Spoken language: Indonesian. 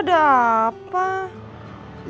aduh parah sih